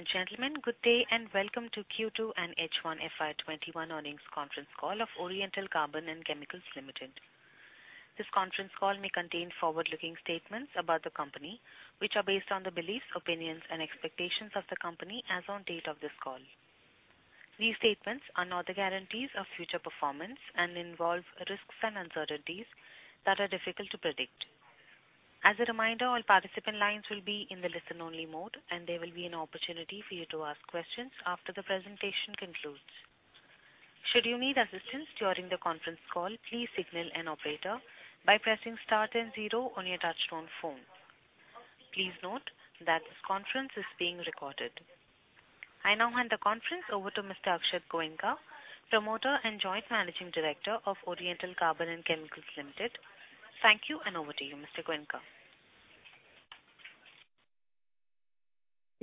Ladies and gentlemen, good day and welcome to Q2 and H1 FY 2021 Earnings Conference Call of Oriental Carbon & Chemicals Limited. This conference call may contain forward-looking statements about the company, which are based on the beliefs, opinions and expectations of the company as on date of this call. These statements are not the guarantees of future performance and involve risks and uncertainties that are difficult to predict. As a reminder, all participant lines will be in the listen only mode, and there will be an opportunity for you to ask questions after the presentation concludes. Should you need assistance during the conference call, please signal an operator by pressing star 10 zero on your touchtone phone. Please note that this conference is being recorded. I now hand the conference over to Mr. Akshat Goenka, Promoter and Joint Managing Director of Oriental Carbon & Chemicals Limited. Thank you, and over to you, Mr. Goenka.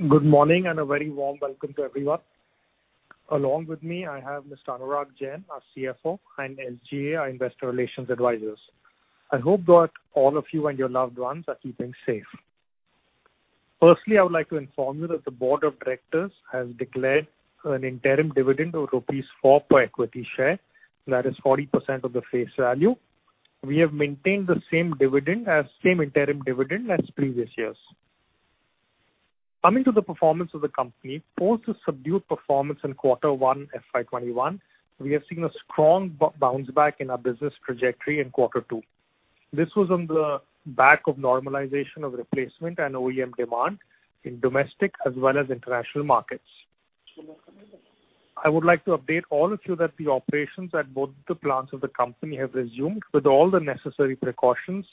Good morning, and a very warm welcome to everyone. Along with me, I have Mr. Anurag Jain, our CFO, and SGA, our investor relations advisors. I hope that all of you and your loved ones are keeping safe. Firstly, I would like to inform you that the board of directors has declared an interim dividend of rupees 4 per equity share. That is 40% of the face value. We have maintained the same interim dividend as previous years. Coming to the performance of the company, post a subdued performance in quarter one FY 2021, we have seen a strong bounce back in our business trajectory in quarter two. This was on the back of normalization of replacement and OEM demand in domestic as well as international markets. I would like to update all of you that the operations at both the plants of the company have resumed with all the necessary precautions,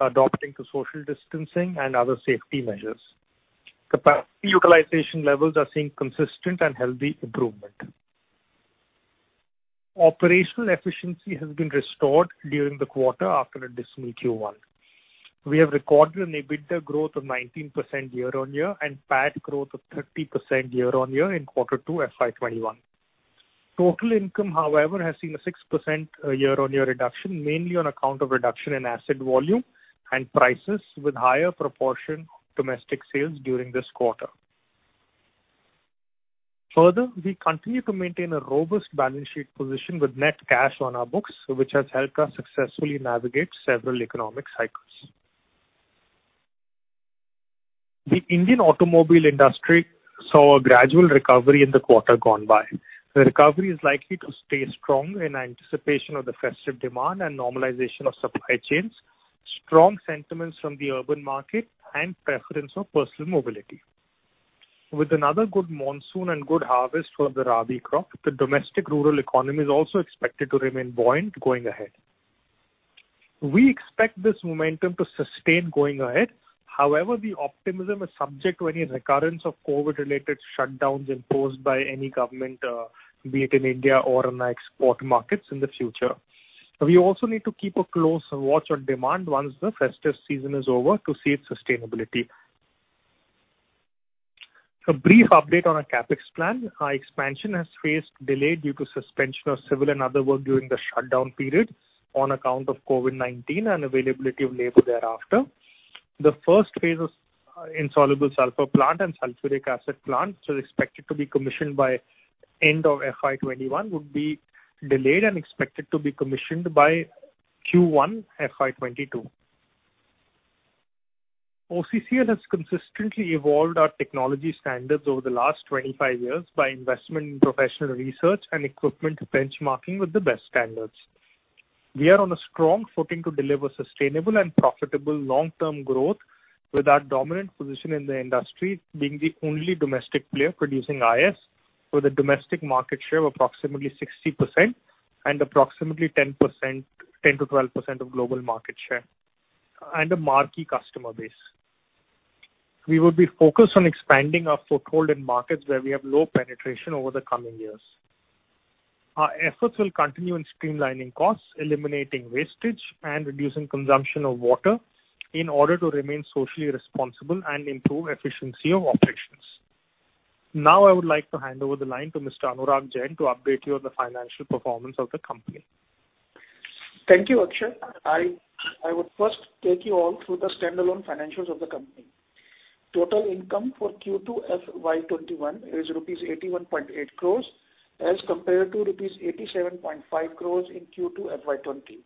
adapting to social distancing and other safety measures. Capacity utilization levels are seeing consistent and healthy improvement. Operational efficiency has been restored during the quarter after a dismal Q1. We have recorded an EBITDA growth of 19% year-on-year and PAT growth of 30% year-on-year in quarter two FY 2021. Total income, however, has seen a 6% year-on-year reduction, mainly on account of reduction in asset volume and prices with higher proportion of domestic sales during this quarter. Further, we continue to maintain a robust balance sheet position with net cash on our books, which has helped us successfully navigate several economic cycles. The Indian automobile industry saw a gradual recovery in the quarter gone by. The recovery is likely to stay strong in anticipation of the festive demand and normalization of supply chains, strong sentiments from the urban market and preference of personal mobility. With another good monsoon and good harvest for the rabi crop, the domestic rural economy is also expected to remain buoyant going ahead. We expect this momentum to sustain going ahead. However, the optimism is subject to any recurrence of COVID-related shutdowns imposed by any government, be it in India or in our export markets in the future. We also need to keep a close watch on demand once the festive season is over to see its sustainability. A brief update on our CapEx plan. Our expansion has faced delay due to suspension of civil and other work during the shutdown period on account of COVID-19 and availability of labor thereafter. The first phase of insoluble sulphur plant and sulphuric acid plant is expected to be commissioned by end of FY 2021 would be delayed and expected to be commissioned by Q1 FY 2022. OCCL has consistently evolved our technology standards over the last 25 years by investment in professional research and equipment benchmarking with the best standards. We are on a strong footing to deliver sustainable and profitable long term growth with our dominant position in the industry being the only domestic player producing IS with a domestic market share of approximately 60% and approximately 10%-12% of global market share and a marquee customer base. We will be focused on expanding our foothold in markets where we have low penetration over the coming years. Our efforts will continue in streamlining costs, eliminating wastage, and reducing consumption of water in order to remain socially responsible and improve efficiency of operations. Now, I would like to hand over the line to Mr. Anurag Jain to update you on the financial performance of the company. Thank you, Akshat. I would first take you all through the standalone financials of the company. Total income for Q2 FY 2021 is rupees 81.8 crores as compared to rupees 87.5 crores in Q2 FY 2020.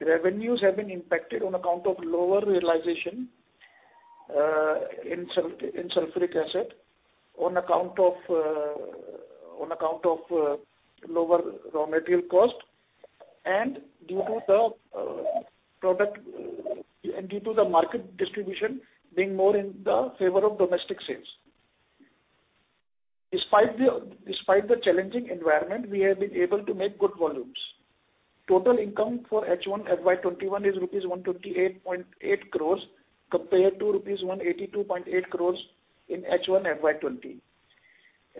Revenues have been impacted on account of lower realization in sulphuric acid on account of lower raw material cost and due to the market distribution being more in the favor of domestic sales. Despite the challenging environment, we have been able to make good volumes. Total income for H1 FY 2021 is rupees 128.8 crores compared to rupees 182.8 crores in H1 FY 2020.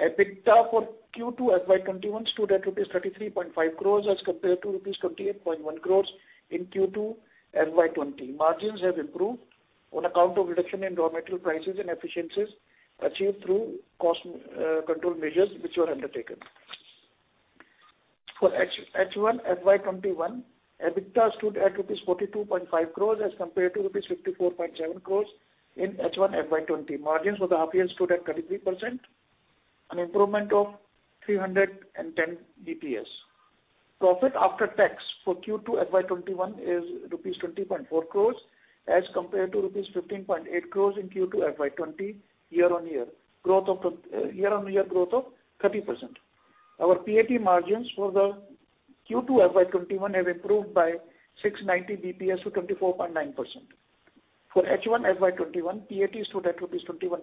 EBITDA for Q2 FY 2021 stood at rupees 33.5 crores as compared to rupees 28.1 crores in Q2 FY 2020. Margins have improved on account of reduction in raw material prices and efficiencies achieved through cost control measures which were undertaken. For H1 FY 2021, EBITDA stood at 42.5 crores as compared to 54.7 crores in H1 FY 2020. Margins for the half year stood at 33%, an improvement of 310 basis points. Profit after tax for Q2 FY 2021 is rupees 20.4 crores as compared to 15.8 crores in Q2 FY 2020, year-over-year growth of 30%. Our PAT margins for the Q2 FY 2021 have improved by 690 basis points to 24.9%. For H1 FY 2021, PAT stood at INR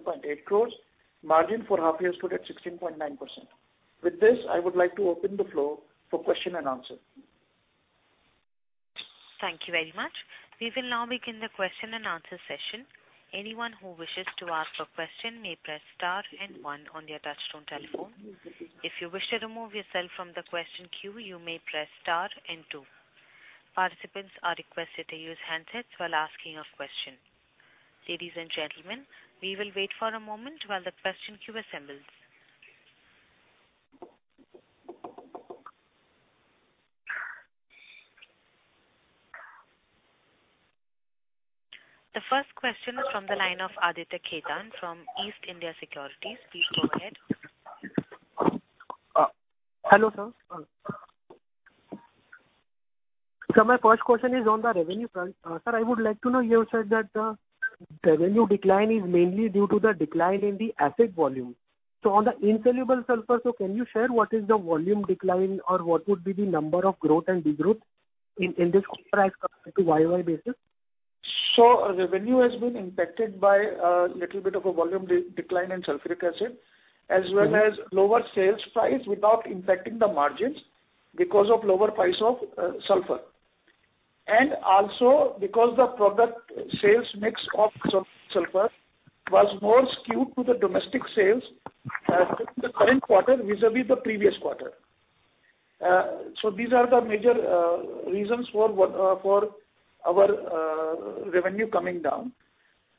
21.8 crores. Margin for half year stood at 16.9%. With this, I would like to open the floor for question and answer. Thank you very much. We will now begin the question and answer session. Anyone who wishes to ask a question may press star one on their touch-tone telephone. If you wish to remove yourself from the question queue, you may press star two. Participants are requested to use handsets while asking a question. Ladies and gentlemen, we will wait for a moment while the question queue assembles. The first question is from the line of Aditya Khetan from East India Securities. Please go ahead. Hello, sir. My first question is on the revenue front. Sir, I would like to know, you have said that the revenue decline is mainly due to the decline in the acid volume. On the insoluble sulphur, can you share what is the volume decline or what would be the number of growth and de-growth in this quarter as compared to year-over-year basis? Revenue has been impacted by a little bit of a volume decline in sulphuric acid, as well as lower sales price without impacting the margins because of lower price of sulphur. Also because the product sales mix of sulphur was more skewed to the domestic sales in the current quarter vis-a-vis the previous quarter. These are the major reasons for our revenue coming down.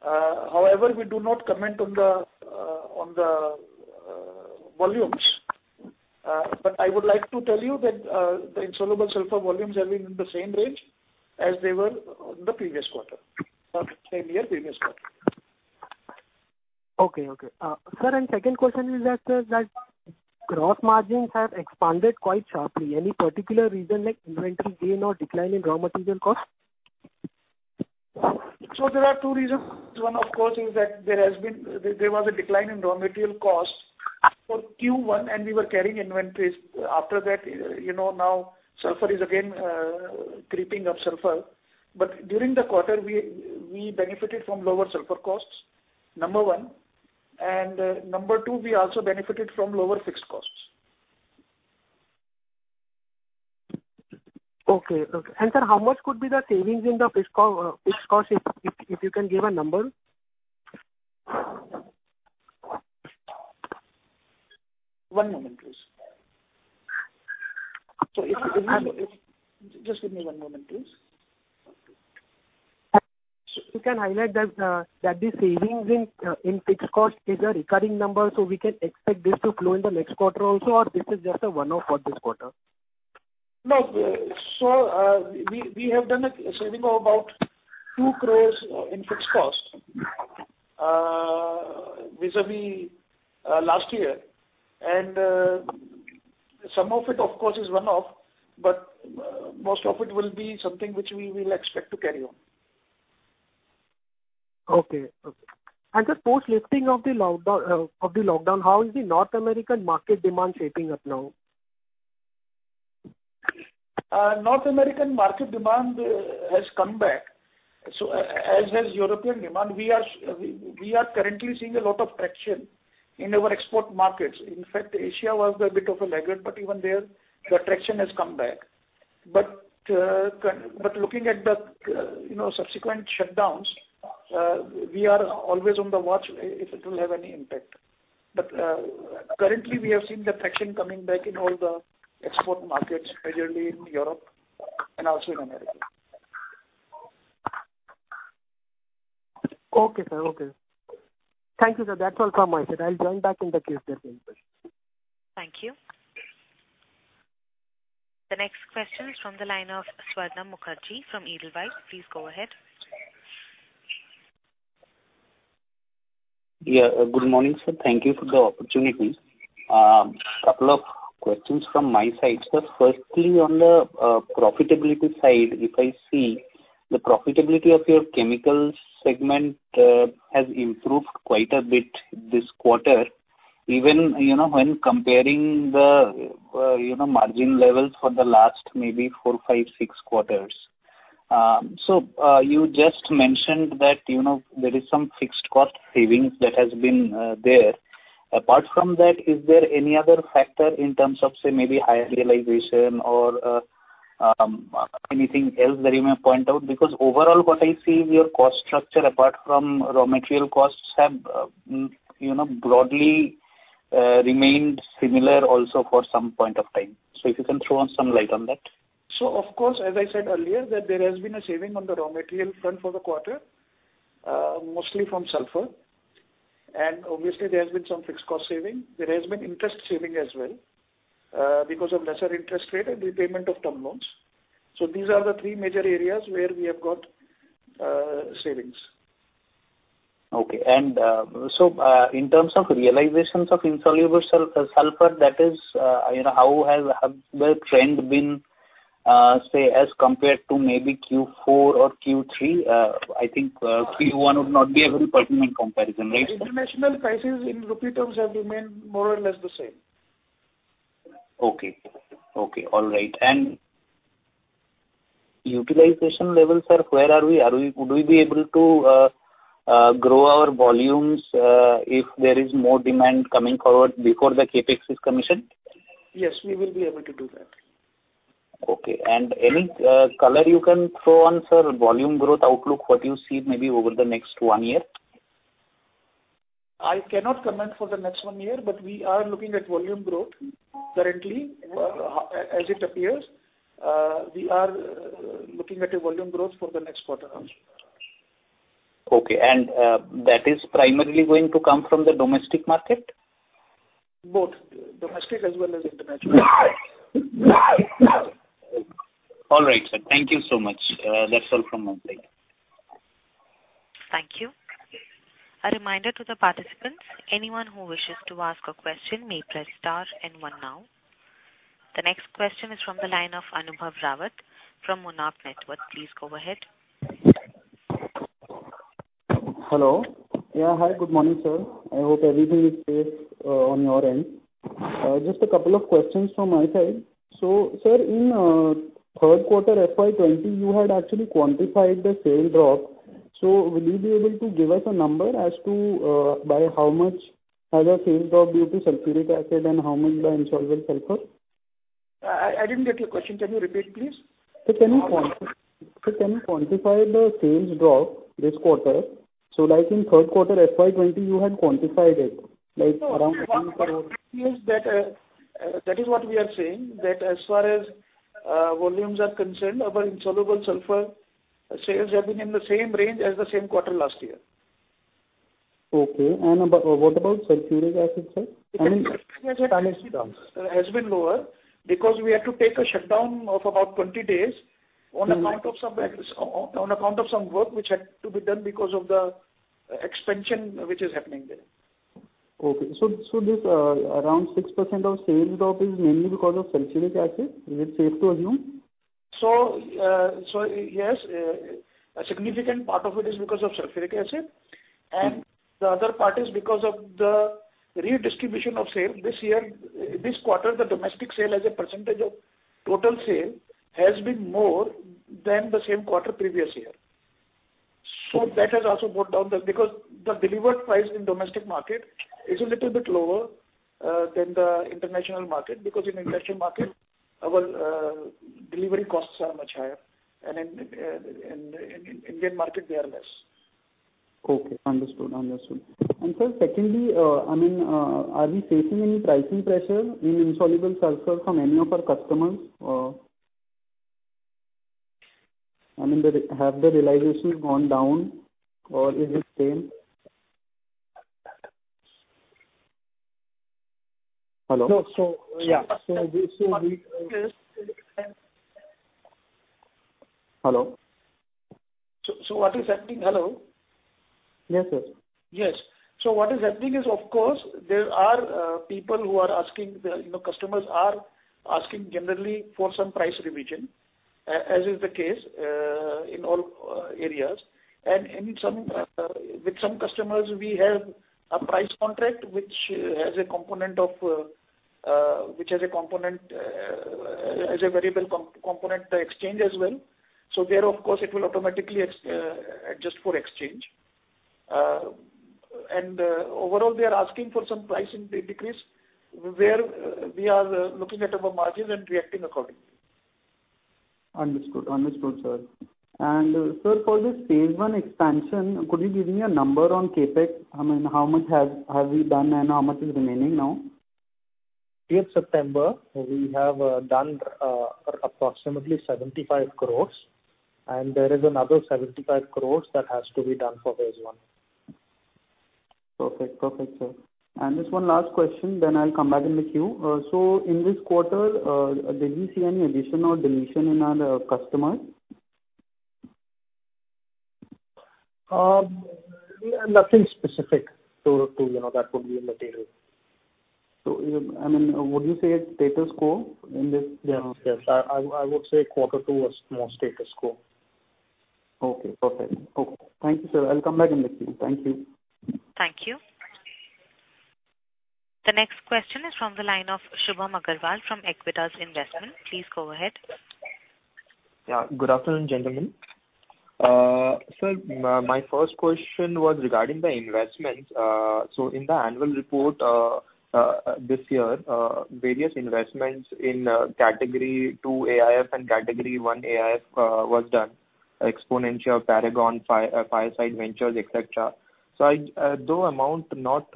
However, we do not comment on the volumes. I would like to tell you that the insoluble sulphur volumes have been in the same range as they were the previous quarter, same year, previous quarter. Okay. Sir, second question is that gross margins have expanded quite sharply. Any particular reason like inventory gain or decline in raw material cost? There are two reasons. One, of course, is that there was a decline in raw material costs for Q1 and we were carrying inventories. After that, now sulphur is again creeping up. During the quarter, we benefited from lower sulphur costs, number one. Number two, we also benefited from lower fixed costs. Okay. Sir, how much could be the savings in the fixed cost, if you can give a number? One moment, please. Just give me one moment, please. You can highlight that the savings in fixed cost is a recurring number, so we can expect this to flow in the next quarter also, or this is just a one-off for this quarter? No. We have done a saving of about 2 crore in fixed cost vis-à-vis last year. Some of it, of course, is one-off. Most of it will be something which we will expect to carry on. Okay. Sir, post lifting of the lockdown, how is the North American market demand shaping up now? North American market demand has come back, as has European demand. We are currently seeing a lot of traction in our export markets. In fact, Asia was a bit of a laggard, but even there, the traction has come back. Looking at the subsequent shutdowns, we are always on the watch if it will have any impact. Currently, we have seen the traction coming back in all the export markets, majorly in Europe and also in America. Okay, sir. Thank you, sir. That's all from my side. I'll join back in the case there's any questions. Thank you. The next question is from the line of Swarna Mukherjee from Edelweiss. Please go ahead. Yeah. Good morning, sir. Thank you for the opportunity. A couple of questions from my side, sir. Firstly, on the profitability side, if I see the profitability of your chemicals segment has improved quite a bit this quarter, even when comparing the margin levels for the last maybe four, five, six quarters. You just mentioned that there is some fixed cost savings that has been there. Apart from that, is there any other factor in terms of, say, maybe higher realization or anything else that you may point out? Because overall what I see is your cost structure apart from raw material costs have broadly remained similar also for some point of time. If you can throw some light on that. Of course, as I said earlier, that there has been a saving on the raw material front for the quarter, mostly from sulphur. Obviously, there has been some fixed cost saving. There has been interest saving as well because of lesser interest rate and repayment of term loans. These are the three major areas where we have got savings. Okay. In terms of realizations of insoluble sulphur, how has the trend been, say, as compared to maybe Q4 or Q3? I think Q1 would not be a very pertinent comparison, right? International prices in rupee terms have remained more or less the same. Okay. All right. Utilization levels, sir, where are we? Would we be able to grow our volumes if there is more demand coming forward before the CapEx is commissioned? Yes, we will be able to do that. Okay. Any color you can throw on, sir, volume growth outlook, what you see maybe over the next one year? I cannot comment for the next one year, but we are looking at volume growth currently, as it appears. We are looking at a volume growth for the next quarter. Okay. That is primarily going to come from the domestic market? Both domestic as well as international. All right, sir. Thank you so much. That's all from my side. Thank you. A reminder to the participants, anyone who wishes to ask a question may press star and one now. The next question is from the line of Anubhav Rawat from Monarch Networth. Please go ahead. Hello. Yeah. Hi. Good morning, sir. I hope everything is safe on your end. Just a couple of questions from my side. Sir, in third quarter FY 2020, you had actually quantified the sales drop. Will you be able to give us a number as to by how much has the sales dropped due to sulphuric acid and how much the insoluble sulphur? I didn't get your question. Can you repeat, please? Sir, can you quantify the sales drop this quarter? In third quarter FY 2020, you had quantified it. That is what we are saying, that as far as volumes are concerned, our insoluble sulphur sales have been in the same range as the same quarter last year. Okay. What about sulphuric acid sales? Has been lower because we had to take a shutdown of about 20 days on account of some work which had to be done because of the expansion which is happening there. Okay. This around 6% of sales drop is mainly because of sulphuric acid, is it safe to assume? Yes, a significant part of it is because of sulphuric acid, and the other part is because of the redistribution of sale. This quarter, the domestic sale as a percentage of total sale, has been more than the same quarter previous year. That has also brought down because the delivered price in domestic market is a little bit lower than the international market, because in international market, our delivery costs are much higher and in Indian market, they are less. Okay, understood. sir, secondly, are we facing any pricing pressure in insoluble sulphur from any of our customers? Have the realizations gone down or is it same? Hello? Yeah. Hello? What is happening, hello? Yes, sir. Yes. What is happening is, of course, customers are asking generally for some price revision, as is the case in all areas. With some customers, we have a price contract which has a variable component exchange as well. There, of course, it will automatically adjust for exchange. Overall, they're asking for some pricing decrease, where we are looking at our margins and reacting accordingly. Understood, sir. Sir, for this phase I expansion, could you give me a number on CapEx? How much have we done, and how much is remaining now? 30th September, we have done approximately 75 crores, and there is another 75 crores that has to be done for phase I. Perfect, sir. Just one last question, then I'll come back in the queue. In this quarter, did we see any addition or deletion in our customers? Nothing specific that would be material. Would you say status quo in this? Yes. I would say quarter two was more status quo. Okay, perfect. Thank you, sir. I'll come back in the queue. Thank you. Thank you. The next question is from the line of Subham Agarwal from Aequitas Investment. Please go ahead. Good afternoon, gentlemen. Sir, my first question was regarding the investments. In the annual report this year, various investments in Category II AIF and Category I AIF was done, Xponentia, Paragon, Fireside Ventures, et cetera. Though amount not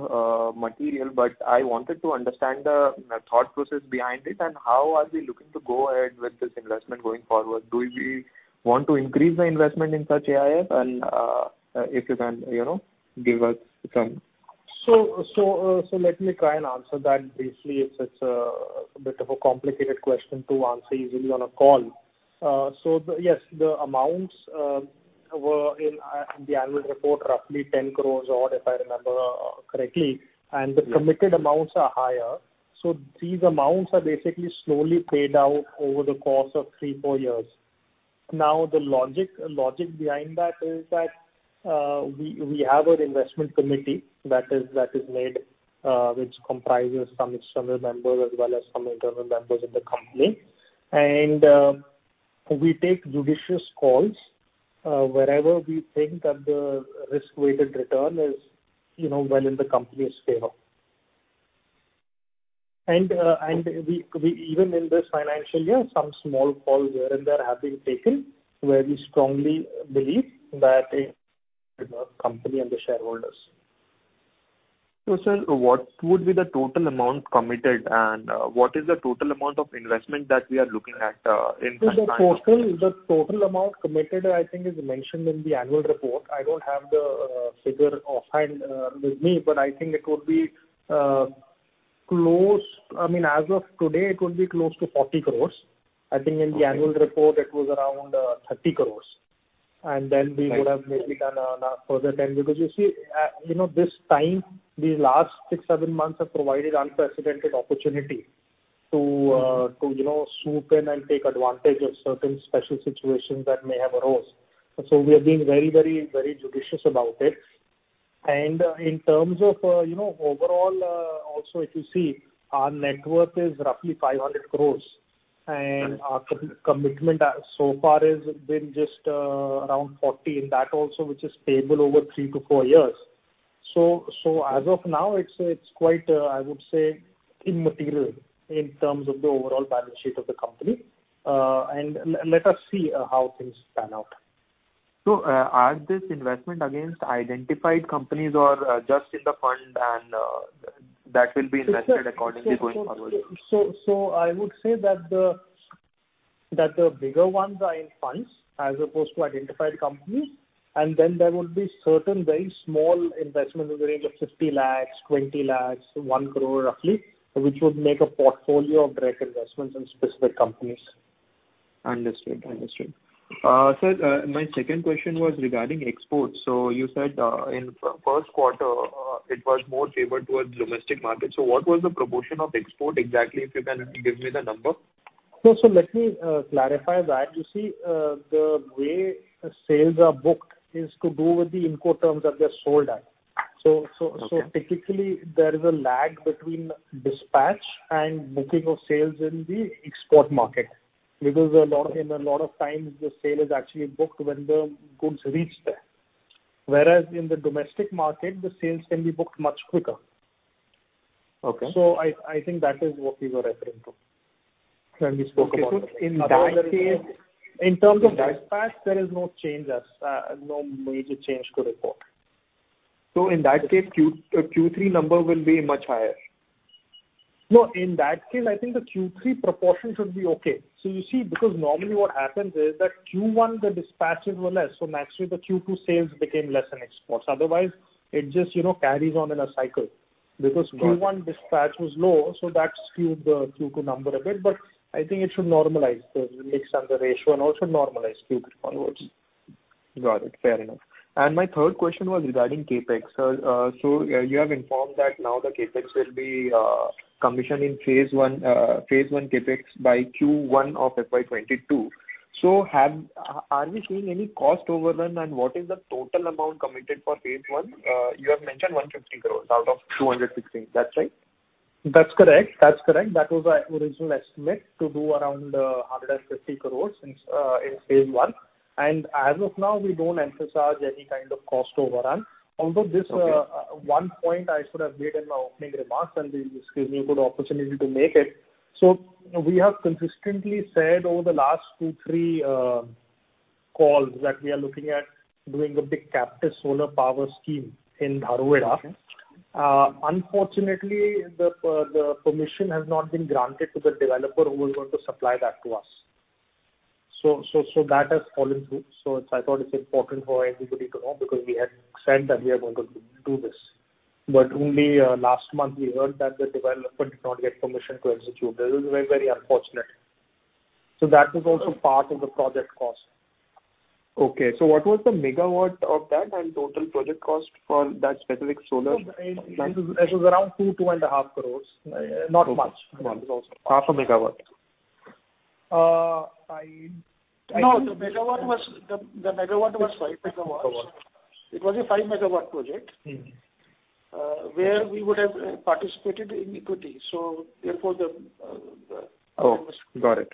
material, but I wanted to understand the thought process behind it and how are we looking to go ahead with this investment going forward? Do we want to increase the investment in such AIF? If you can give us some. Let me try and answer that briefly. It's a bit of a complicated question to answer easily on a call. Yes, the amounts were in the annual report, roughly 10 crores or if I remember correctly, and the committed amounts are higher. These amounts are basically slowly paid out over the course of three, four years. The logic behind that is that we have an investment committee that is made, which comprises some external members as well as some internal members of the company. We take judicious calls wherever we think that the risk-weighted return is well in the company's favor. Even in this financial year, some small calls here and there have been taken where we strongly believe that a company and the shareholders. Sir, what would be the total amount committed and what is the total amount of investment that we are looking at in? The total amount committed, I think, is mentioned in the annual report. I don't have the figure offhand with me, but I think it could be close. As of today, it could be close to 40 crores. I think in the annual report it was around 30 crores. Then we would have maybe done further 10 crores because you see, this time, these last six, seven months have provided unprecedented opportunity to swoop in and take advantage of certain special situations that may have arose. We have been very judicious about it. In terms of overall, also if you see, our net worth is roughly 500 crores, and our commitment so far has been just around 40 crores. That also which is payable over three to four years. As of now, it's quite, I would say, immaterial in terms of the overall balance sheet of the company. Let us see how things pan out. Are this investment against identified companies or just in the fund and that will be invested accordingly going forward? I would say that the bigger ones are in funds as opposed to identified companies. Then there would be certain very small investments in the range of 50 lakhs, 20 lakhs, 1 crore roughly, which would make a portfolio of direct investments in specific companies. Understood. Sir, my second question was regarding exports. You said in first quarter it was more favored towards domestic markets. What was the proportion of export exactly, if you can give me the number? Let me clarify that. You see, the way sales are booked is to do with the import terms that they're sold at. Okay. Typically there is a lag between dispatch and booking of sales in the export market because in a lot of times the sale is actually booked when the goods reach there. Whereas in the domestic market, the sales can be booked much quicker. Okay. I think that is what we were referring to when we spoke. Okay. In terms of dispatch, there is no major change to report. In that case, Q3 number will be much higher. In that case, I think the Q3 proportion should be okay. You see, because normally what happens is that Q1, the dispatches were less, so naturally the Q2 sales became less in exports. Otherwise it just carries on in a cycle because Q1 dispatch was low, so that skewed the Q2 number a bit. I think it should normalize, the mix and the ratio and all should normalize Q3 onwards. My third question was regarding CapEx. You have informed that now the CapEx will be commissioned in phase I CapEx by Q1 of FY 2022. Are we seeing any cost overrun and what is the total amount committed for phase I? You have mentioned 150 crore out of 216. That's right? That's correct. That was our original estimate to do around 150 crores in phase one. As of now we don't emphasize any kind of cost overrun. Okay One point I should have made in my opening remarks, and this gives me a good opportunity to make it. We have consistently said over the last two, three calls that we are looking at doing a big captive solar power scheme in Dharuhera. Okay. Unfortunately, the permission has not been granted to the developer who was going to supply that to us. That has fallen through. I thought it's important for everybody to know because we had said that we are going to do this. Only last month we heard that the developer did not get permission to execute. This is very unfortunate. That was also part of the project cost. Okay. What was the megawatt of that and total project cost for that specific solar plant? This is around 2.5 crores. Not much. Half a megawatt. No, the megawatt was 5 MW. 5 MW. It was a 5-MW project where we would have participated in equity. Oh, got it.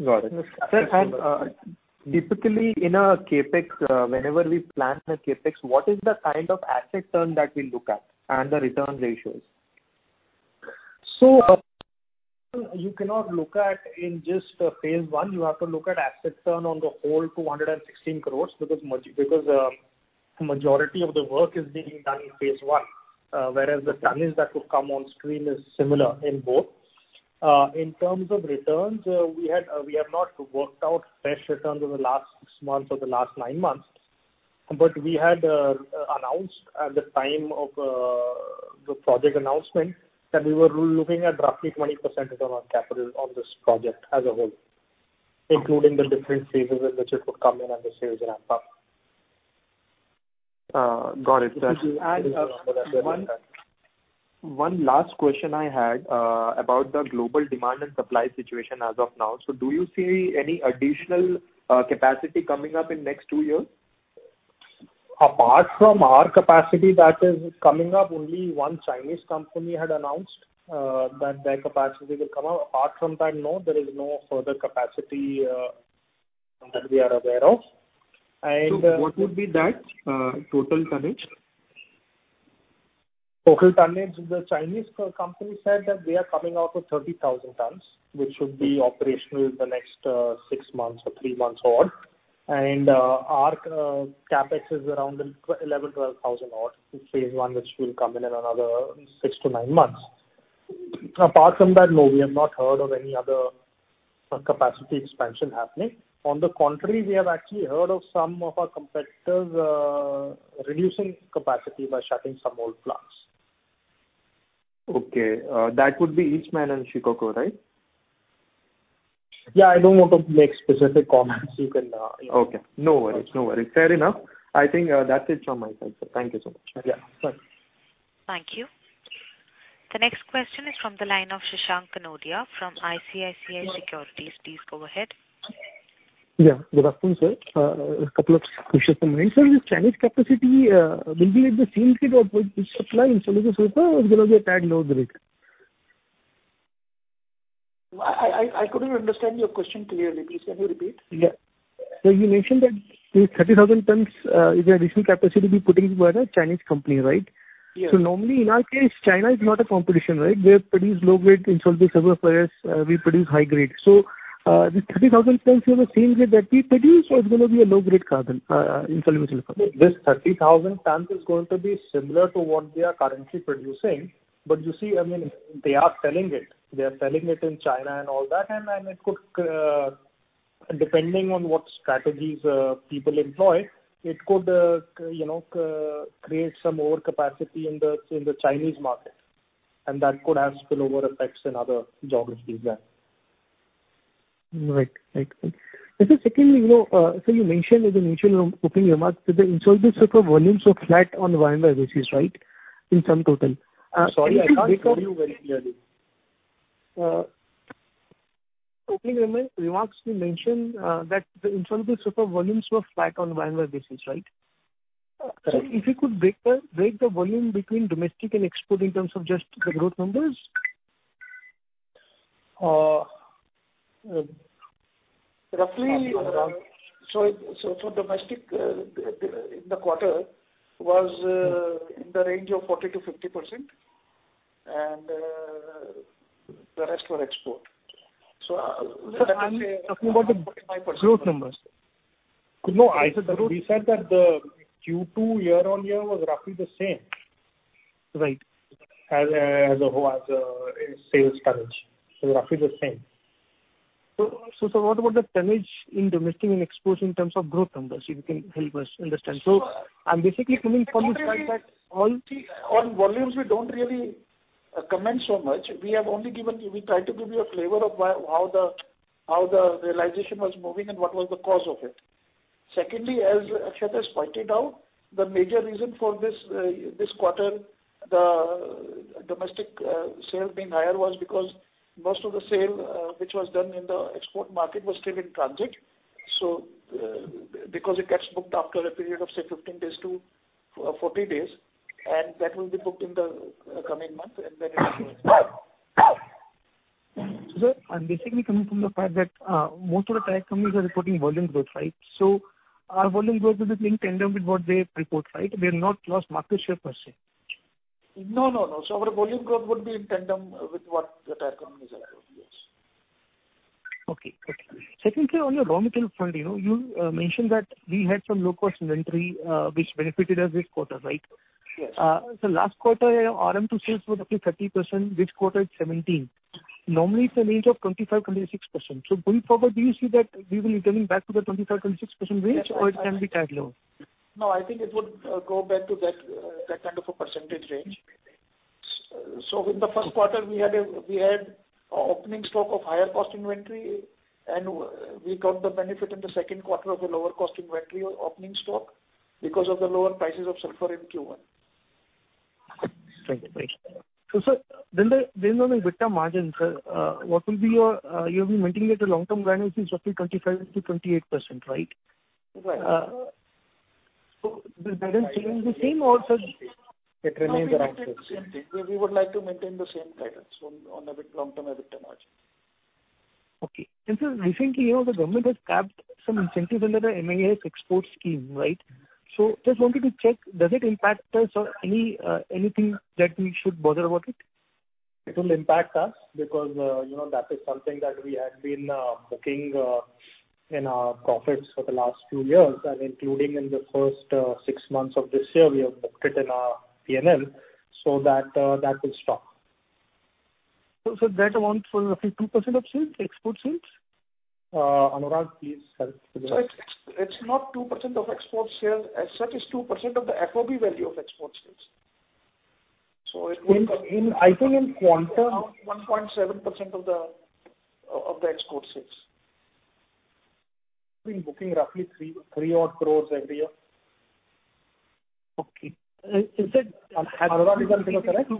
Sir, typically in a CapEx, whenever we plan the CapEx, what is the kind of asset turn that we look at and the return ratios? You cannot look at in just phase one. You have to look at asset turn on the whole 216 crore because majority of the work is being done in phase one, whereas the tonnage that would come on screen is similar in both. In terms of returns, we have not worked out fresh returns in the last six months or the last nine months, but we had announced at the time of the project announcement that we were looking at roughly 20% return on capital on this project as a whole, including the different phases in which it would come in and the sales ramp up. Got it. And one- One last question I had about the global demand and supply situation as of now. Do you see any additional capacity coming up in next two years? Apart from our capacity that is coming up, only one Chinese company had announced that their capacity will come up. Apart from that, no, there is no further capacity that we are aware of. What would be that total tonnage? Total tonnage, the Chinese company said that they are coming out with 30,000 tons, which should be operational the next six months or three months odd. Our CapEx is around 11,000, 12,000 odd in phase one, which will come in another six to nine months. Apart from that, no, we have not heard of any other capacity expansion happening. On the contrary, we have actually heard of some of our competitors reducing capacity by shutting some old plants. Okay. That would be Eastman and Shikoku, right? Yeah. I don't want to make specific comments. Okay. No worries. Fair enough. I think that's it from my side, sir. Thank you so much. Yeah, sure. Thank you. The next question is from the line of Shashank Kanodia from ICICI Securities. Please go ahead. Yeah. Good afternoon, sir. A couple of questions from my end. Sir, this tonnage capacity, maintaining the same grade of supply in insoluble sulphur or it's going to be a tad lower grade? I couldn't understand your question clearly. Please can you repeat? Yeah. Sir, you mentioned that the 30,000 tons is the additional capacity being put in by the Chinese company, right? Yes. Normally, in our case, China is not a competition, right? They produce low grade insoluble sulphur, whereas we produce high grade. This 30,000 tons, is it the same grade that we produce or it's going to be a low grade carbon in soluble sulphur? This 30,000 tons is going to be similar to what we are currently producing. You see, they are selling it. They are selling it in China and all that, and depending on what strategies people employ, it could create some more capacity in the Chinese market, and that could have spillover effects in other geographies there. Right. Sir, secondly, you mentioned in the initial opening remarks that the insoluble sulphur volumes were flat on year-over-year basis, right? In sum total. Sorry, I can't hear you very clearly. Opening remarks you mentioned that the insoluble sulphur volumes were flat on year-over-year basis, right? Correct. If you could break the volume between domestic and export in terms of just the growth numbers. Roughly. Domestic in the quarter was in the range of 40%-50%, and the rest were export. Let me say roughly 45%. Sir, I'm talking about the growth numbers. No, we said that the Q2 year-over-year was roughly the same. Right. As a whole as a sales tonnage. Roughly the same. Sir, what about the tonnage in domestic and exports in terms of growth numbers? If you can help us understand? I'm basically coming from the fact that. On volumes we don't really comment so much. We try to give you a flavor of how the realization was moving and what was the cause of it. Secondly, as Akshat has pointed out, the major reason for this quarter, the domestic sales being higher was because most of the sale which was done in the export market was still in transit. Because it gets booked after a period of, say, 15 days-40 days, and that will be booked in the coming months and then it will show. Sir, I'm basically coming from the fact that most of the tire companies are reporting volume growth, right? Our volume growth will be in tandem with what they report, right? We have not lost market share per se. No. Our volume growth would be in tandem with what the tire companies are having. Yes. Okay, got it. Secondly, on your raw material front, you mentioned that we had some low cost inventory which benefited us this quarter, right? Yes. Sir, last quarter your RM to sales was roughly 30%, this quarter it's 17%. Normally it's a range of 25%-26%. Going forward, do you see that we will be coming back to the 25%-26% range or it can be tad lower? No, I think it would go back to that kind of a percentage range. In the first quarter we had opening stock of higher cost inventory, and we got the benefit in the second quarter of a lower cost inventory opening stock because of the lower prices of sulphur in Q1. Thank you. Sir, on the EBITDA margin, sir, you have been maintaining at the long term range which is roughly 25%-28%, right? Right. Will that remain the same or sir it remains around 15? No, we would like to maintain the same guidance on EBITDA, long term EBITDA margin. Okay. Sir, recently, the government has capped some incentives under the MEIS export scheme, right? Just wanted to check, does it impact us or anything that we should bother about it? It will impact us because that is something that we had been booking in our profits for the last two years and including in the first six months of this year, we have booked it in our P&L, that will stop. That amount was roughly 2% of export sales? Anurag, please help with the rest. It's not 2% of export sales as such, it's 2% of the FOB value of export sales. I think in quantum- About 1.7% of the export sales. We're booking roughly 3 odd crores every year. Okay. Anurag, is that correct?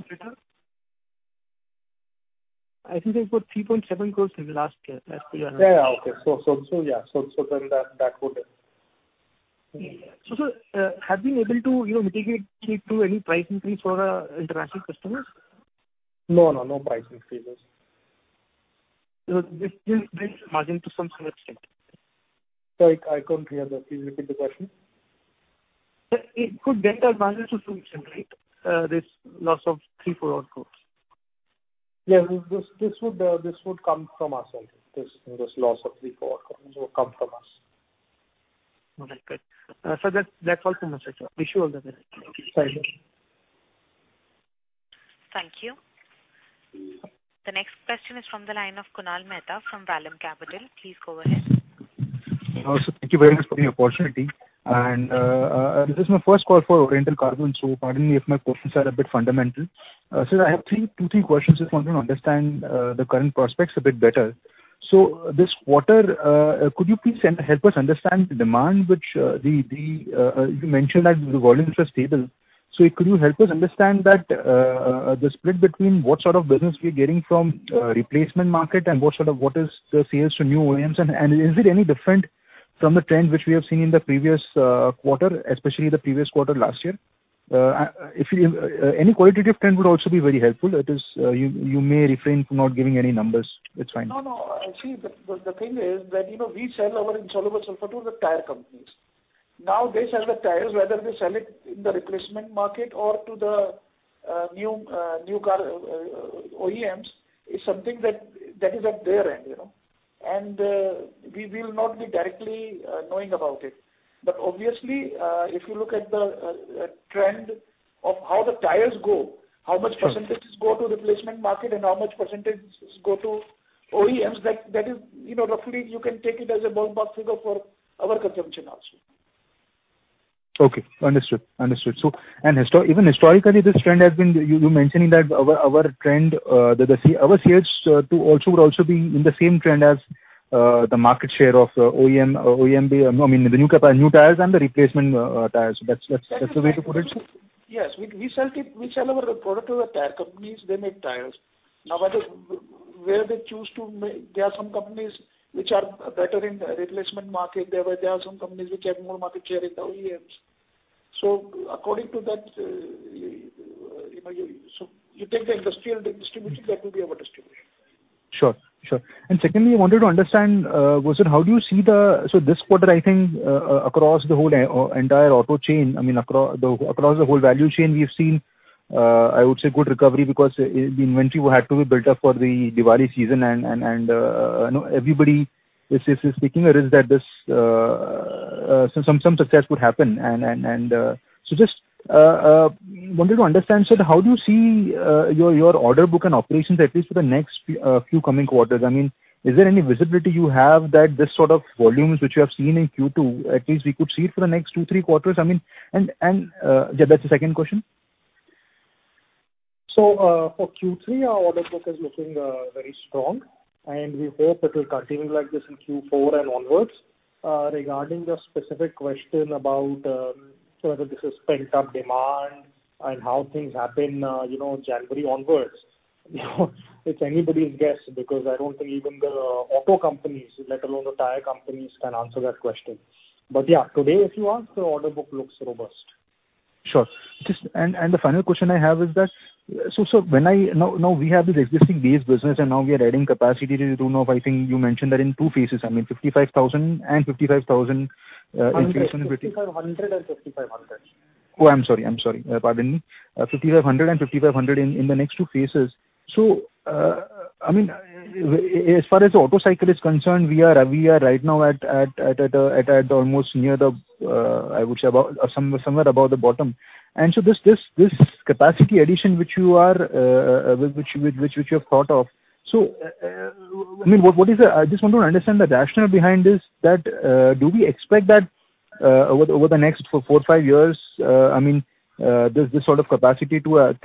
I think they put 3.7 crores in the last year. Yeah. Okay. that would. Sir, have you been able to mitigate it through any price increase for the international customers? No, no pricing increases. This brings margin to some extent. Sorry, I couldn't hear that. Please repeat the question. It could benefit margin to some extent, right? This loss of 3-4 odd crores. Yeah. This would come from us, I think. This loss of 3-4 crores would come from us. Okay, good. Sir, that's all from my side, sir. Wish you all the best. Thank you. Thank you. Thank you. The next question is from the line of Kunal Mehta from Vallum Capital. Please go ahead. Hello, sir. Thank you very much for the opportunity. This is my first call for Oriental Carbon, so pardon me if my questions are a bit fundamental. Sir, I have two, three questions. I just want to understand the current prospects a bit better. This quarter, could you please help us understand the demand, which you mentioned that the volumes were stable. Could you help us understand that, the split between what sort of business we're getting from replacement market and what is the sales to new OEMs, and is it any different from the trend which we have seen in the previous quarter, especially the previous quarter last year? Any qualitative trend would also be very helpful. That is, you may refrain from giving any numbers, it's fine. No, no. See, the thing is that we sell our insoluble sulphur to the tire companies. Now they sell the tires, whether they sell it in the replacement market or to the new car OEMs is something that is at their end. We will not be directly knowing about it. Obviously, if you look at the trend of how the tires go, how much percentage go to replacement market, and how much percentage go to OEMs, that is roughly you can take it as a ballpark figure for our consumption also. Okay, understood. Even historically, this trend has been, you're mentioning that our trend, that our sales would also be in the same trend as the market share of OEM, I mean, the new tires and the replacement tires. That's the way to put it? Yes. We sell our product to the tire companies. They make tires. Now, where they choose to make, there are some companies which are better in the replacement market, there are some companies which have more market share with the OEMs. According to that, you take the industrial distribution, that will be our distribution. Sure. Secondly, I wanted to understand, how do you see this quarter, I think, across the whole entire auto chain, I mean, across the whole value chain, we have seen, I would say, good recovery because the inventory had to be built up for the Diwali season and everybody is thinking that some success would happen. Just wanted to understand, sir, how do you see your order book and operations, at least for the next few coming quarters? I mean, is there any visibility you have that this sort of volumes which you have seen in Q2, at least we could see it for the next two, three quarters? That's the second question. For Q3, our order book is looking very strong, and we hope it will continue like this in Q4 and onwards. Regarding the specific question about whether this is pent-up demand and how things happen January onwards, it's anybody's guess because I don't think even the auto companies, let alone the tire companies, can answer that question. Yeah, today if you ask, the order book looks robust. Sure. The final question I have is that, now we have this existing base business and now we are adding capacity. I don't know if I think you mentioned that in two phases. I mean, 55,000 and 55,000 installation- 5,500 and 5,500. Oh, I'm sorry. Pardon me. 5,500 and 5,500 in the next two phases. I mean, as far as the auto cycle is concerned, we are right now at almost near the, I would say somewhere above the bottom. This capacity addition which you have thought of, I just want to understand the rationale behind this, that do we expect that over the next four, five years, this sort of capacity? I'm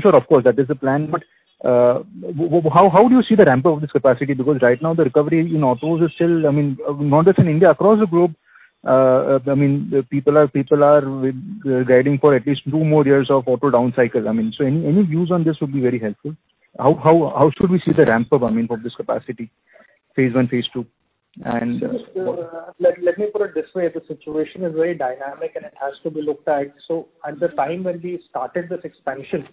sure, of course, that is the plan, but how do you see the ramp of this capacity? Right now the recovery in autos is still, I mean, not just in India, across the globe, people are guiding for at least two more years of auto down cycle. Any views on this would be very helpful. How should we see the ramp up of this capacity, phase I, phase II? Let me put it this way. The situation is very dynamic, and it has to be looked at. At the time when we started this expansion,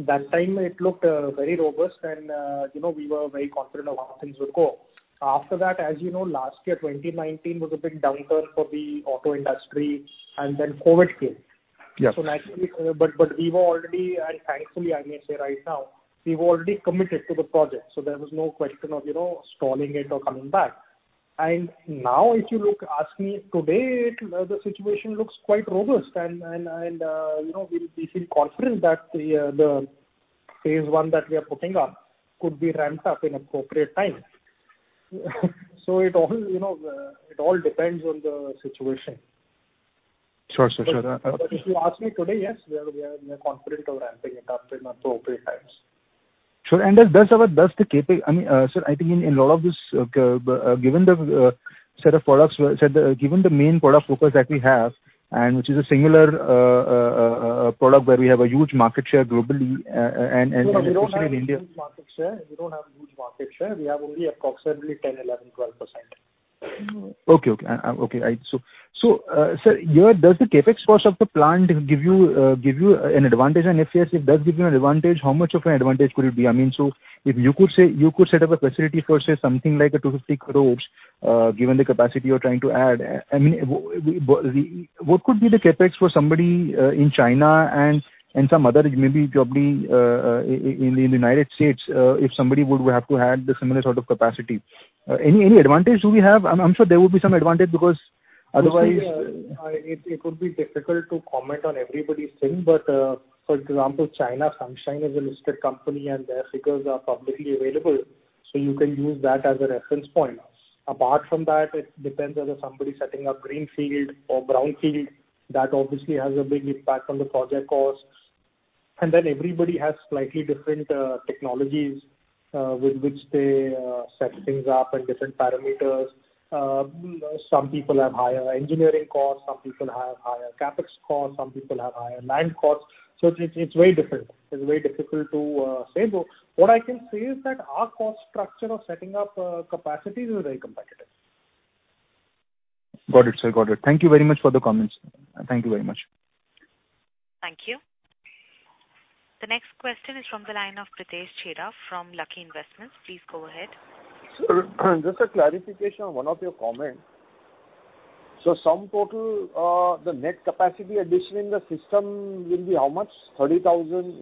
that time it looked very robust and we were very confident of how things would go. After that, as you know, last year, 2019 was a big downer for the auto industry, COVID came. Yes We were already, and thankfully, I may say right now, we were already committed to the project, so there was no question of stalling it or coming back. Now if you ask me today, the situation looks quite robust and we feel confident that the phase I that we are putting up could be ramped up in appropriate time. It all depends on the situation. Sure. If you ask me today, yes, we are confident of ramping it up in appropriate times. Sure. I think in a lot of this, given the main product focus that we have, and which is a similar product where we have a huge market share globally and especially in India. We don't have huge market share. We have only approximately 10%, 11%, 12%. Okay. Sir, here does the CapEx cost of the plant give you an advantage? If yes, if it does give you an advantage, how much of an advantage could it be? If you could set up a facility for, say, something like 250 crores, given the capacity you're trying to add, what could be the CapEx for somebody in China and some other, maybe probably in the U.S., if somebody would have to add the similar sort of capacity? Any advantage do we have? I'm sure there would be some advantage. It would be difficult to comment on everybody's thing. For example, China Sunsine is a listed company and their figures are publicly available, so you can use that as a reference point. Apart from that, it depends whether somebody is setting up greenfield or brownfield. That obviously has a big impact on the project cost. Everybody has slightly different technologies with which they set things up and different parameters. Some people have higher engineering costs, some people have higher CapEx costs, some people have higher land costs. It's very different. It's very difficult to say. What I can say is that our cost structure of setting up capacities is very competitive. Got it, sir. Thank you very much for the comments. Thank you very much. Thank you. The next question is from the line of Pritesh Chheda from Lucky Investments. Please go ahead. Sir, just a clarification on one of your comments. Sum total, the net capacity addition in the system will be how much? 30,000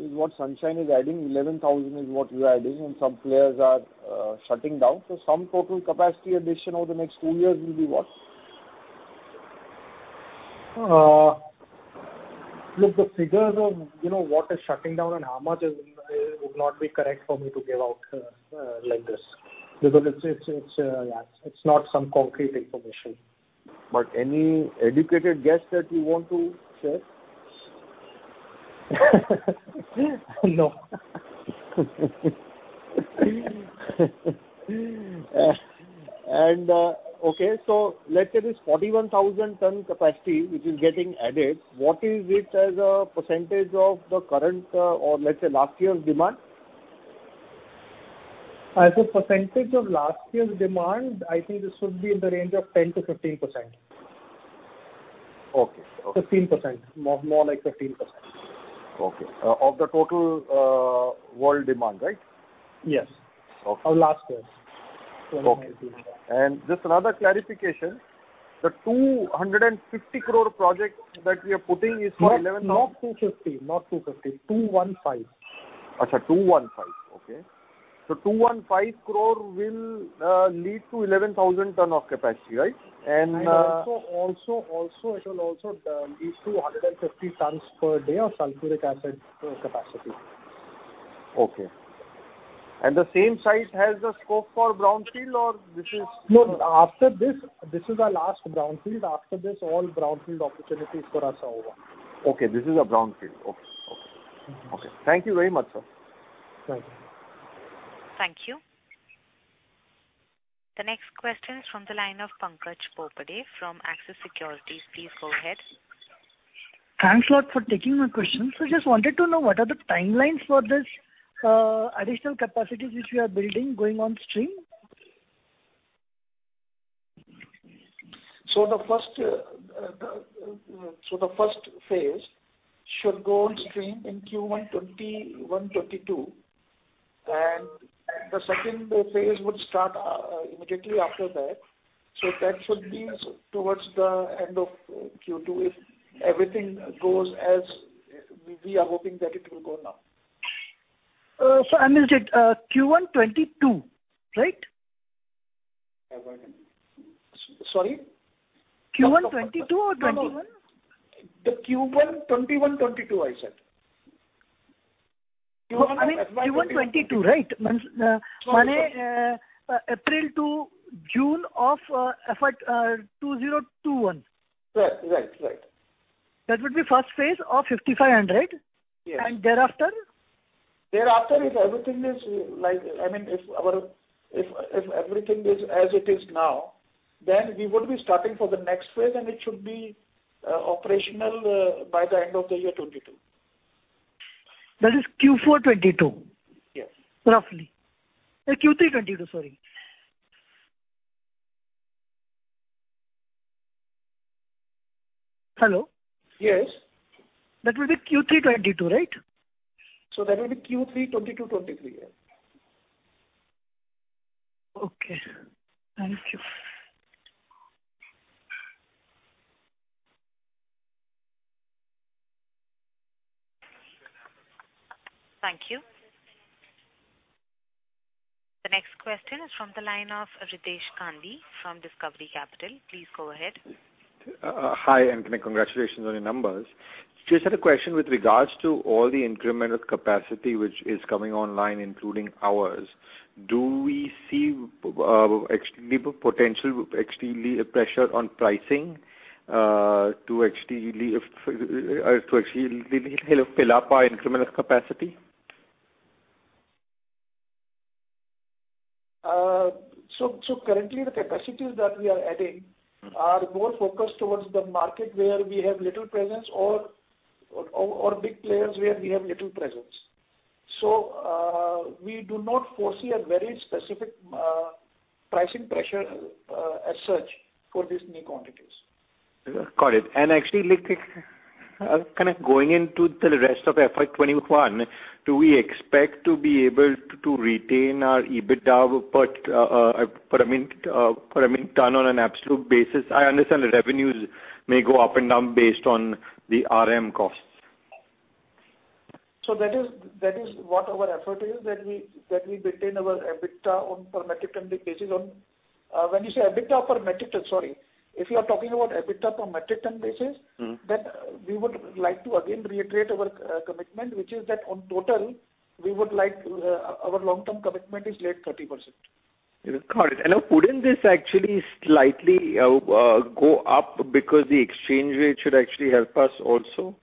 is what China Sunsine is adding, 11,000 is what you are adding, and some players are shutting down. Sum total capacity addition over the next two years will be what? Look, the figures of what is shutting down and how much would not be correct for me to give out like this because it's not some concrete information. Any educated guess that you want to share? No. Okay, let's say this 41,000 ton capacity which is getting added, what is it as a percentage of the current or, let's say, last year's demand? As a percentage of last year's demand, I think this should be in the range of 10%-15%. Okay. 15%. More like 15%. Okay. Of the total world demand, right? Yes. Okay. Of last year. 2019. Okay. Just another clarification. The 250 crore project that we are putting is for 11,000- Not 250. 215. Okay, 215. 215 crore will lead to 11,000 tons of capacity, right? It will also lead to 150 tons per day of sulphuric acid capacity. Okay. The same site has the scope for brownfield or this is- No, this is our last brownfield. After this, all brownfield opportunities for us are over. Okay. This is a brownfield. Okay. Thank you very much, sir. Thank you. Thank you. The next question is from the line of Pankaj Bobade from Axis Securities. Please go ahead. Thanks a lot for taking my questions. Just wanted to know what are the timelines for this additional capacities which you are building going on stream? The first phase should go on stream in Q1 2021/2022, and the second phase would start immediately after that. That should be towards the end of Q2, if everything goes as we are hoping that it will go now. Sir, I missed it. Q1 2022, right? Sorry? Q1 2022 or 2021? The Q1 2021/2022, I said. Q1 2022, right? April to June of FY 2021. Right. That would be first phase of 5,500. Yes. Thereafter? Thereafter, if everything is as it is now, then we would be starting for the next phase, and it should be operational by the end of the year 2022. That is Q4 2022. Yes. Roughly. Q3 2022, sorry. Hello? Yes. That will be Q3 2022, right? That will be Q3 2022/2023, yes. Okay. Thank you. Thank you. The next question is from the line of Riddhesh Gandhi from Discovery Capital. Please go ahead. Hi, congratulations on your numbers. Just had a question with regards to all the incremental capacity which is coming online, including ours. Do we see potential extreme pressure on pricing to actually fill up our incremental capacity? Currently, the capacities that we are adding are more focused towards the market where we have little presence or big players where we have little presence. We do not foresee a very specific pricing pressure as such for these new quantities. Got it. Actually, kind of going into the rest of FY 2021, do we expect to be able to retain our EBITDA per metric ton on an absolute basis? I understand the revenues may go up and down based on the RM costs. That is what our effort is, that we retain our EBITDA on per metric ton basis. When you say EBITDA per metric ton, sorry. If you are talking about EBITDA per metric ton basis- We would like to again reiterate our commitment, which is that on total, our long-term commitment is laid 30%. Got it. Wouldn't this actually slightly go up because the exchange rate should actually help us also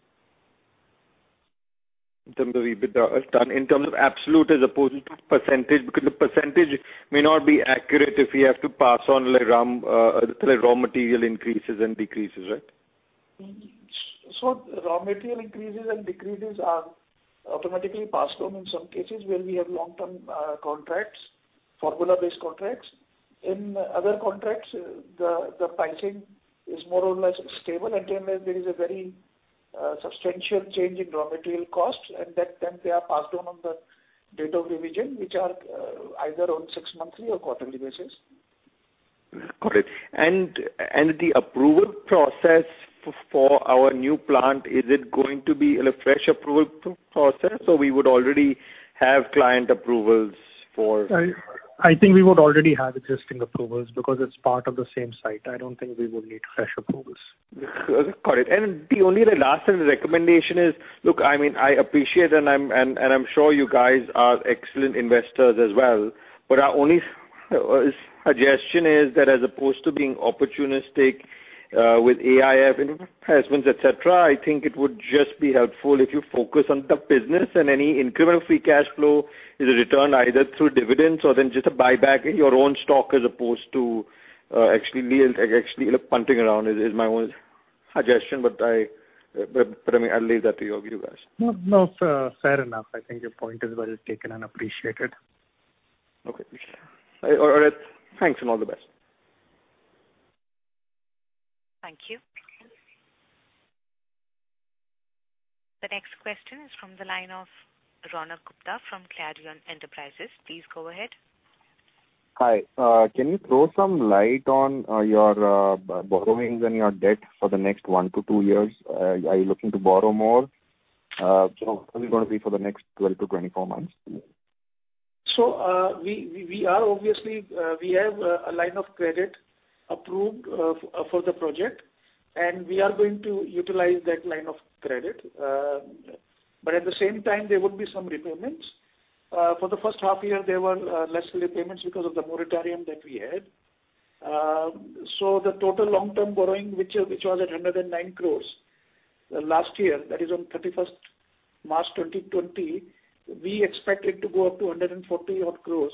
in terms of EBITDA ton, in terms of absolute as opposed to percentage, because the percentage may not be accurate if we have to pass on raw material increases and decreases, right? Raw material increases and decreases are automatically passed on in some cases where we have long-term contracts, formula-based contracts. In other contracts, the pricing is more or less stable, until there is a very substantial change in raw material costs, then they are passed on on the date of revision, which are either on six monthly or quarterly basis. Got it. The approval process for our new plant, is it going to be a fresh approval process or we would already have client approvals for? I think we would already have existing approvals because it's part of the same site. I don't think we would need fresh approvals. Got it. The only last recommendation is, look, I appreciate and I am sure you guys are excellent investors as well, but our only suggestion is that as opposed to being opportunistic with AIF investments, et cetera, I think it would just be helpful if you focus on the business and any incremental free cash flow is returned either through dividends or then just buy back your own stock as opposed to actually punting around is my only suggestion, but I will leave that to you guys. Fair enough. I think your point is well taken and appreciated. Okay. All right. Thanks, and all the best. Thank you. The next question is from the line of Ronak Gupta from Clarion Enterprises. Please go ahead. Hi. Can you throw some light on your borrowings and your debt for the next one to two years? Are you looking to borrow more? How is it going to be for the next 12-24 months? Obviously, we have a line of credit approved for the project, we are going to utilize that line of credit. At the same time, there would be some repayments. For the first half year, there were less repayments because of the moratorium that we had. The total long-term borrowing, which was at 109 crores last year, that is on 31st March 2020, we expect it to go up to 140 odd crores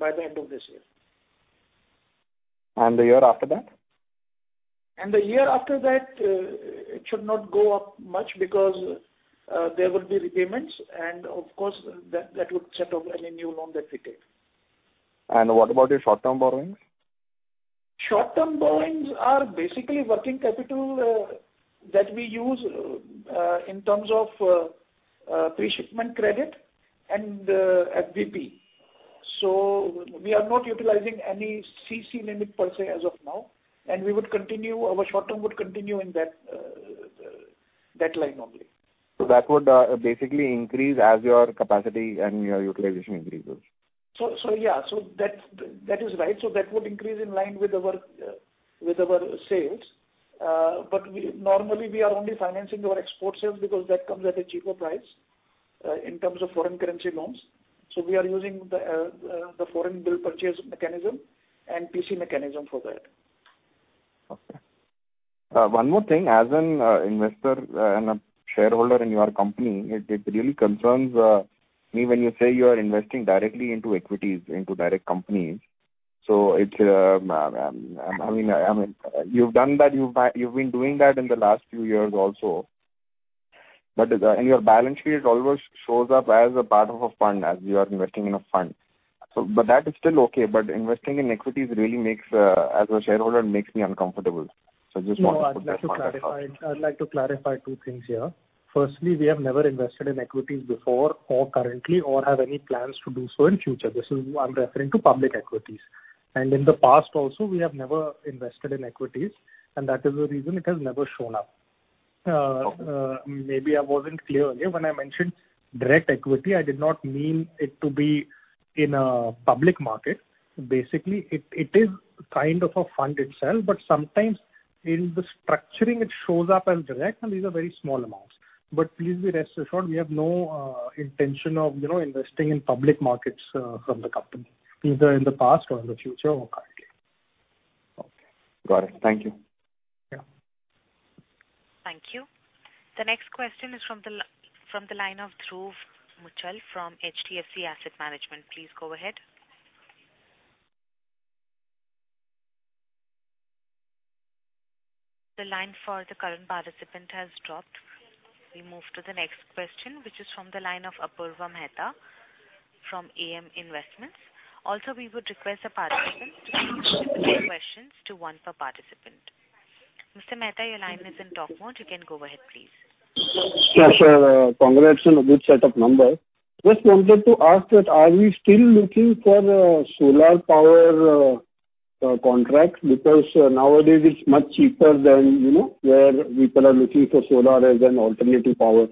by the end of this year. The year after that? The year after that, it should not go up much because there will be repayments, and of course, that would set off any new loan that we take. What about your short-term borrowings? Short-term borrowings are basically working capital that we use in terms of pre-shipment credit and FBP. We are not utilizing any CC limit per se as of now, and our short-term would continue in that line only. That would basically increase as your capacity and your utilization increases. Yeah. That is right. That would increase in line with our sales. Normally, we are only financing our export sales because that comes at a cheaper price in terms of foreign currency loans. We are using the Foreign Bill Purchase mechanism and PC mechanism for that. Okay. One more thing, as an investor and a shareholder in your company, it really concerns me when you say you are investing directly into equities, into direct companies. You've been doing that in the last few years also. In your balance sheet, it always shows up as a part of a fund, as you are investing in a fund. That is still okay, but investing in equities really, as a shareholder, makes me uncomfortable. I just wanted to get that clarified. I'd like to clarify two things here. Firstly, we have never invested in equities before or currently, or have any plans to do so in future. I'm referring to public equities. In the past also, we have never invested in equities, and that is the reason it has never shown up. Maybe I wasn't clear earlier when I mentioned direct equity, I did not mean it to be in a public market. Basically, it is kind of a fund itself, but sometimes in the structuring, it shows up as direct, and these are very small amounts. Please be rest assured, we have no intention of investing in public markets from the company, either in the past or in the future or currently. Okay. Got it. Thank you. Yeah. Thank you. The next question is from the line of Dhruv Muchhal from HDFC Asset Management. Please go ahead. The line for the current participant has dropped. We move to the next question, which is from the line of Apurva Mehta from AM Investments. Also, we would request the participants to limit questions to one per participant. Mr. Mehta, your line is unmute mode. You can go ahead, please. Yes, sir. Congrats on a good set of numbers. Just wanted to ask that are we still looking for solar power contracts? Nowadays it's much cheaper than where people are looking for solar as an alternative power.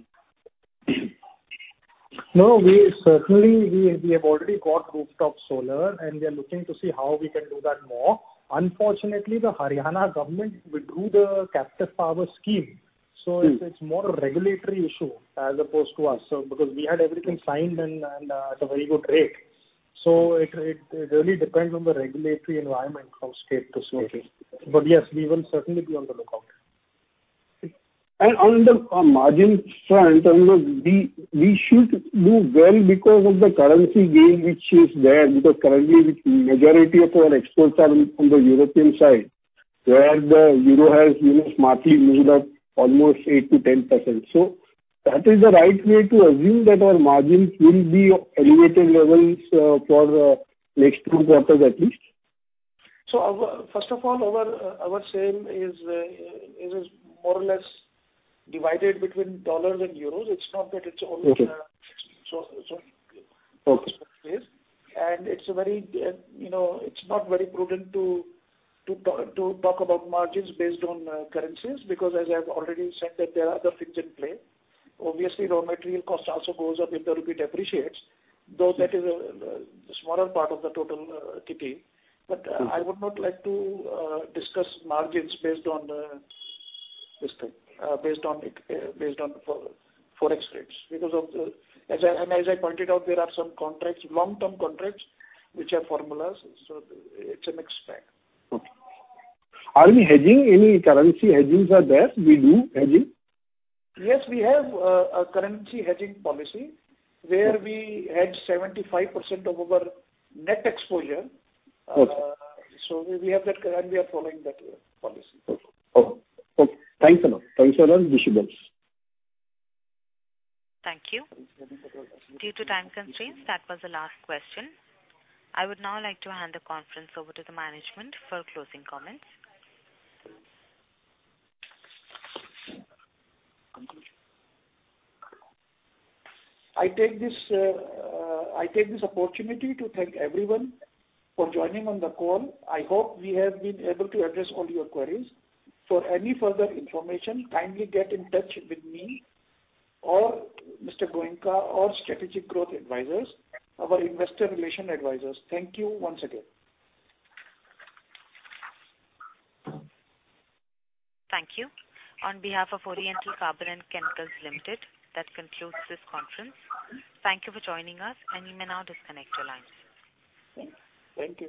Certainly, we have already got rooftop solar, we are looking to see how we can do that more. Unfortunately, the Haryana government withdrew the captive power scheme. It's more a regulatory issue as opposed to us, because we had everything signed and at a very good rate. It really depends on the regulatory environment from state to state. Okay. Yes, we will certainly be on the lookout. On the margin front, we should do well because of the currency gain which is there, because currently the majority of our exports are on the European side, where the euro has smartly moved up almost 8%-10%. That is the right way to assume that our margins will be of elevated levels for the next two quarters, at least? First of all, our sale is more or less divided between dollars and euros. Okay. So Okay. It's not very prudent to talk about margins based on currencies because, as I've already said that there are other things in play. Obviously, raw material cost also goes up if the rupee depreciates, though that is a smaller part of the total kitty. I would not like to discuss margins based on the Forex rates, because as I pointed out, there are some long-term contracts which have formulas. It's a mixed bag. Okay. Are we hedging? Any currency hedgings are there? We do hedging? Yes, we have a currency hedging policy where we hedge 75% of our net exposure. Okay. We have that and we are following that policy. Okay. Thanks a lot. Thanks a lot. Wish you the best. Thank you. Due to time constraints, that was the last question. I would now like to hand the conference over to the management for closing comments. I take this opportunity to thank everyone for joining on the call. I hope we have been able to address all your queries. For any further information, kindly get in touch with me or Mr. Goenka or Strategic Growth Advisors, our investor relation advisors. Thank you once again. Thank you. On behalf of Oriental Carbon & Chemicals Limited, that concludes this conference. Thank you for joining us, and you may now disconnect your lines. Thank you.